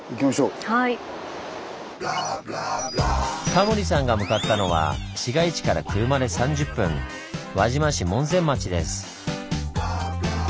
タモリさんが向かったのは市街地から車で３０分輪島市門前町です。